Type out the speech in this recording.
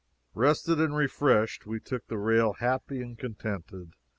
Rested and refreshed, we took the rail happy and contented.